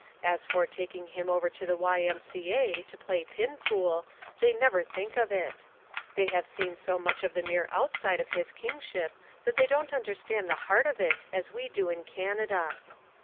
As for taking him over to the Y.M.C.A. to play pin pool, they never think of it. They have seen so much of the mere outside of his kingship that they don't understand the heart of it as we do in Canada.